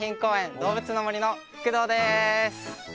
動物の森の久藤です